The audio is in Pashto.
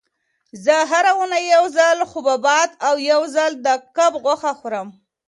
زه هره اونۍ یو ځل حبوبات او یو ځل د کب غوښه خورم.